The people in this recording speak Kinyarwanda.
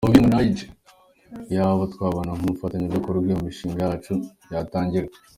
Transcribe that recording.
Iyaba twabona nk’umufatanyabikorwa iyo mishinga yacu yatangira.